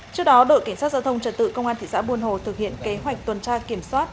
trước đó đội cảnh sát giao thông trật tự công an thị xã buôn hồ thực hiện kế hoạch tuần tra kiểm soát